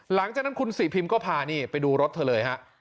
หลังจากนั้นคุณศรีพิมก็พานี่ไปดูรถเธอเลยฮะ